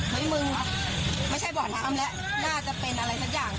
มึงไม่ใช่เบาะน้ำแล้วน่าจะเป็นอะไรสักอย่าง